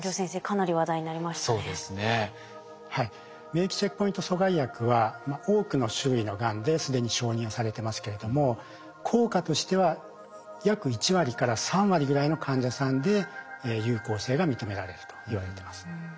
免疫チェックポイント阻害薬は多くの種類のがんで既に承認をされてますけれども効果としては約１割から３割ぐらいの患者さんで有効性が認められるといわれてます。